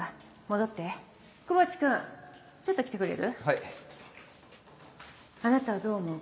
もういいあなたはどう思う？